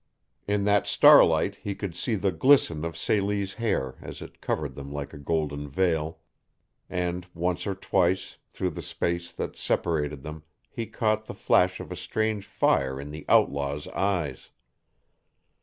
In that starlight he could see the glisten of Celie's hair as it covered them like a golden veil, and once or twice through the space that separated them he caught the flash of a strange fire in the outlaw's eyes.